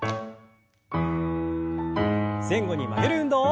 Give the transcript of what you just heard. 前後に曲げる運動。